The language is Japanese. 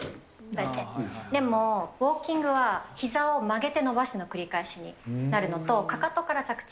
でも、ウォーキングはひざを曲げて伸ばすの繰り返しになるのと、かかとから着地。